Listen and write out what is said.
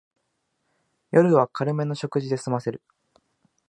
夜は軽めの食事ですませる